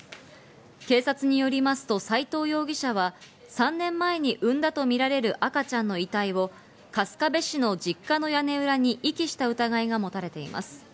警察によりますと斎藤容疑者は３年前に産んだとみられる赤ちゃんの遺を春日部市の実家の屋根裏に遺棄した疑いが持たれています。